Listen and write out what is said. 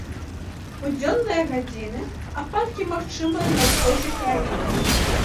У дзённыя гадзіны ападкі магчымыя на ўсходзе краіны.